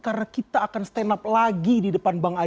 karena kita akan stand up lagi di depan bang anang